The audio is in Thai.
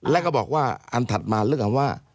แล้วก็บอกว่าอันถัดมาเรื่องคำว่า